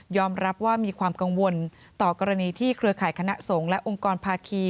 รับว่ามีความกังวลต่อกรณีที่เครือข่ายคณะสงฆ์และองค์กรภาคี